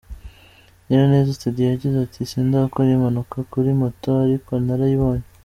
Nyiraneza Teddy yagize ati “sindakora impanuka kuri moto ariko narayibonye.